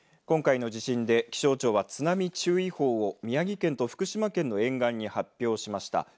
今回の地震で気象庁は津波注意報を宮城県と福島県の沿岸に発表しました。